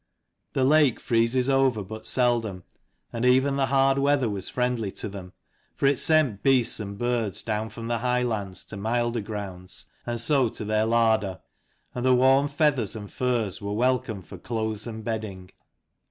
266 The lake freezes over but seldom, and even the hard weather was friendly to them, for it sent beasts and birds down from the high lands to milder grounds, and so to their larder ; and the warm feathers and furs were welcome for clothes and bedding.